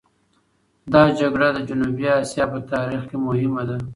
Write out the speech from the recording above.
دا جګړه د جنوبي اسیا په تاریخ کې مهمه ده.